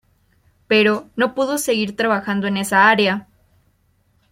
Pero, no pudo seguir trabajando en esa área.